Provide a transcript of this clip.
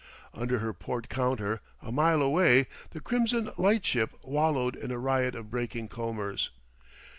Under her port counter, a mile away, the crimson light ship wallowed in a riot of breaking combers.